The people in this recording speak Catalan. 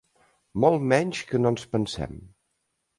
Molt menys que no ens pensem.